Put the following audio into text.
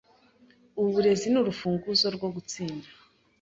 Uburezi ni urufunguzo rwo gutsinda.